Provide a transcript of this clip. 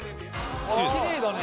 きれいだね。